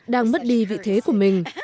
đang bất đi vị thế của mình